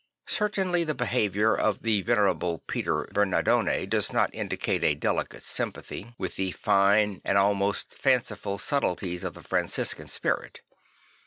Certainly the behaviour of the venerable Peter Bemardone does not indicate a delicate sympathy Francis the Builder 7 1 with the fine and almost fanciful subtleties of the Franciscan spirit.